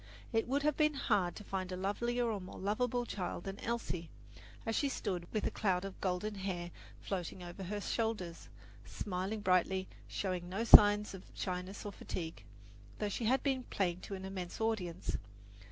It would have been hard to find a lovelier or more lovable child than Elsie, as she stood with a cloud of golden hair floating over her shoulders, smiling brightly, showing no signs of shyness or fatigue, though she had been playing to an immense audience.